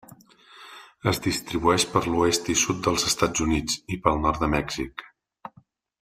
Es distribueix per l'oest i sud dels Estats Units i pel nord de Mèxic.